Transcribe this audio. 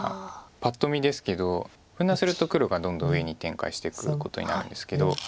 パッと見ですけど分断すると黒がどんどん上に展開していくことになるんですけど。